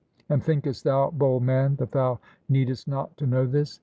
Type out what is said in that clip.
And thinkest thou, bold man, that thou needest not to know this?